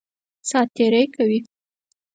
سات تېری کوي.